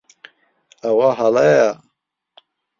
ئەوە ھەڵەیە.